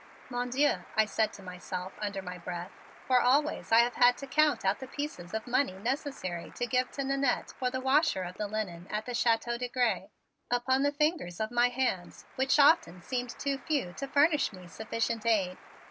"Mon Dieu," I said to myself under my breath, for always I have had to count out the pieces of money necessary to give to Nannette for the washer of the linen at the Chateau de Grez, upon the fingers of my hands, which often seemed too few to furnish me sufficient aid.